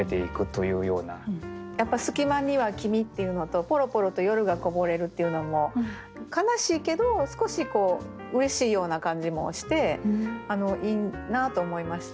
やっぱ「隙間には君」っていうのと「ぽろぽろと夜がこぼれる」っていうのも悲しいけど少しうれしいような感じもしていいなと思いました。